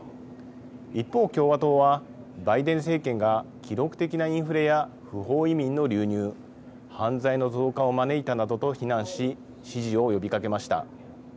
一方、共和党はバイデン政権が記録的なインフレや不法移民の流入犯罪の増加を招いたなどと非難し支持を呼びかけました。